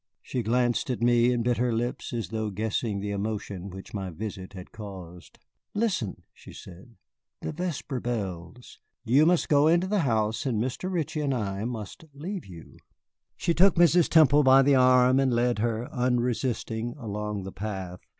She glanced at me, and bit her lips, as though guessing the emotion which my visit had caused. "Listen," she said, "the vesper bells! You must go into the house, and Mr. Ritchie and I must leave you." She took Mrs. Temple by the arm and led her, unresisting, along the path.